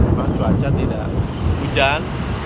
memang cuaca tidak hujan